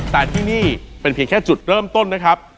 แต่ที่นี่เป็นเพียงแค่จุดเริ่มต้นนะครับ